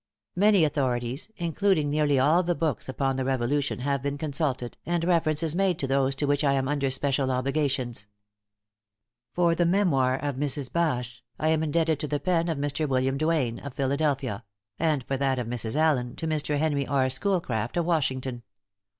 Many authorities, including nearly all the books upon the Revolution, have been consulted, and reference is made to those to which I am under special obligations. For the memoir of Mrs. Bache, I am indebted to the pen of Mr. William Duane, of Philadelphia, and for that of Mrs. Allen, to Mr. Henry R. Schoolcraft, of Washington.